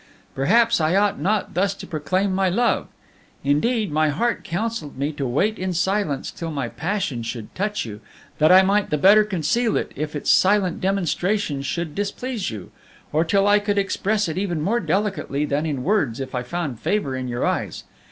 Perhaps I ought not thus to proclaim my love. Indeed, my heart counseled me to wait in silence till my passion should touch you, that I might the better conceal it if its silent demonstrations should displease you; or till I could express it even more delicately than in words if I found favor in your eyes.